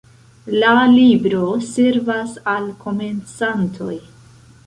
La libro servas al komencantoj.